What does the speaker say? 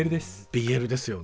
ＢＬですよね。